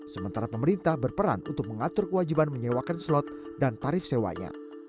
sementara pemerintah berperan untuk mengatur kewajiban menyewakan slot dan tarif sewanya